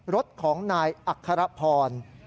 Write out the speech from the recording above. รถของนายอัครพร